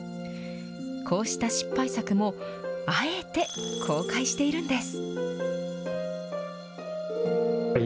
こうした失敗作もあえて公開しているんです。